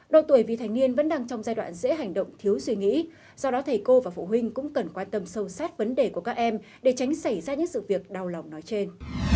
độ tuổi vì thành niên vẫn đang trong giai đoạn dễ hành động thiếu suy nghĩ do đó thầy cô và phụ huynh cũng cần quan tâm sâu sát vấn đề của các em để tránh xảy ra những sự việc đau lòng nói trên